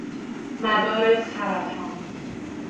مدار سرطان